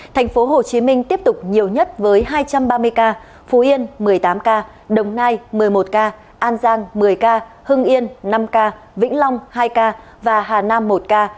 thành phố hồ chí minh tiếp tục nhiều nhất với hai trăm ba mươi ca phú yên một mươi tám ca đồng nai một mươi một ca an giang một mươi ca hưng yên năm ca vĩnh long hai ca và hà nam một ca